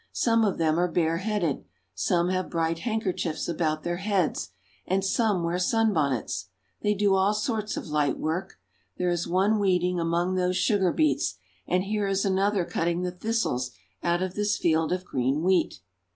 Some of them are bareheaded, some have bright handkerchiefs about their heads, and some wear sunbonnets. They do all sorts of light work. There is one weeding among those sugar beets, and here is another cutting the thistles out of this field of green wheat.